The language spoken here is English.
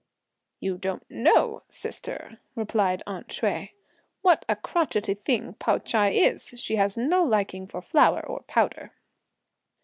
"You don't know, sister," replied "aunt" Hsüeh, "what a crotchety thing Pao Ch'ai is! she has no liking for flower or powder."